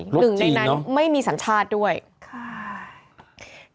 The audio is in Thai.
รถจีนเนอะไม่มีสัญชาติด้วยค่ะ